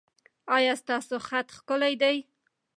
ایا ستاسو خط ښکلی دی؟